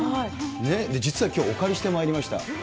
ねえ、実はきょうお借りしてまいりました。